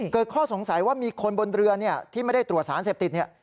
ข้อสงสัยว่ามีคนบนเรือที่ไม่ได้ตรวจสารเสพติดเนี่ย